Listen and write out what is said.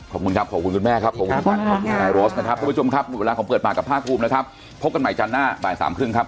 ขอบคุณครับขอบคุณคุณแม่ครับขอบคุณทุกท่านขอบคุณครับขอบคุณครับขอบคุณครับ